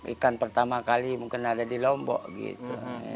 ikan pertama kali mungkin ada di lombok gitu